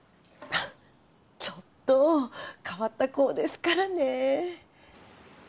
ちょっと変わった子ですからねえ